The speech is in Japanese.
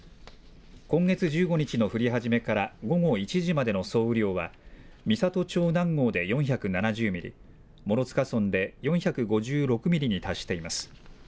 今月１５日の降り始めから午後１時までの総雨量は、美郷町南郷で４７０ミリ、諸塚村で４５６ミリに達しています。